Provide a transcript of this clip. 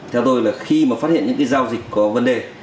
theo tôi là khi mà phát hiện những giao dịch có vấn đề